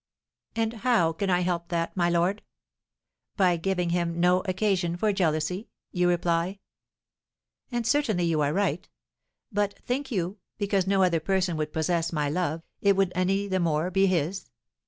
"And how can I help that, my lord? By giving him no occasion for jealousy, you reply. And certainly you are right. But, think you, because no other person would possess my love, it would any the more be his?